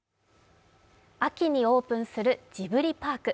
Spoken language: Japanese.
秋にオープンするジブリパーク。